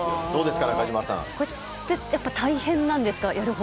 これってやっぱり大変なんですか。